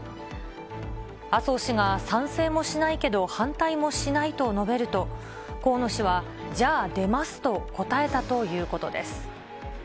麻生氏が、賛成もしないけど反対もしないと述べると、河野氏は、じゃあ、出ますと答えたということです。